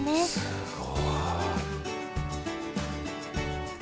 すごい。